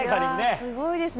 すごいですね。